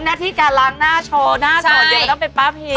หน้าที่จะล้างหน้าโชว์หน้าสดอย่างนั้นต้องเป็นป้าพิม